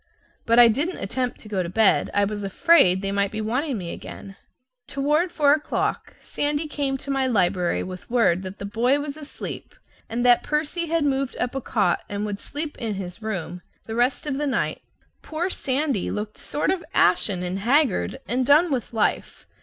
But I didn't attempt to go to bed; I was afraid they might be wanting me again. Toward four o'clock Sandy came to my library with word that the boy was asleep and that Percy had moved up a cot and would sleep in his room the rest of the night. Poor Sandy looked sort of ashen and haggard and done with life.